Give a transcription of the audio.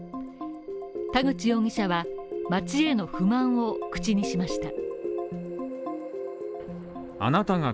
田口容疑者は、町への不満を口にしました。